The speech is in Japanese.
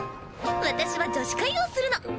私は女子会をするの。